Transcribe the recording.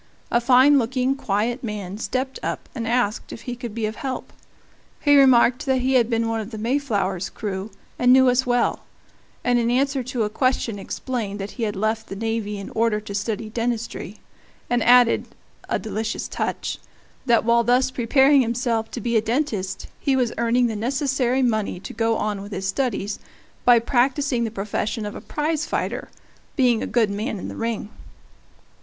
A fine looking, quiet man stepped up and asked if he could be of help; he remarked that he had been one of the Mayflower's crew, and knew us well; and in answer to a question explained that he had left the navy in order to study dentistry, and added a delicious touch that while thus preparing himself to be a dentist he was earning the necessary money to go on with his studies by practicing the profession of a prize fighter, being a good man in the ring.